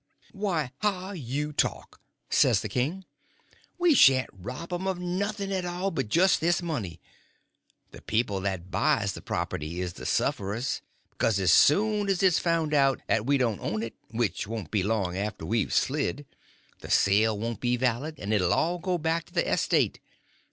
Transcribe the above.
"Why, how you talk!" says the king. "We sha'n't rob 'em of nothing at all but jest this money. The people that buys the property is the suff'rers; because as soon 's it's found out 'at we didn't own it—which won't be long after we've slid—the sale won't be valid, and it 'll all go back to the estate.